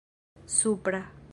supra